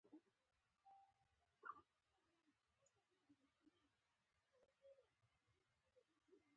پوهنتونونه باید معیاري شي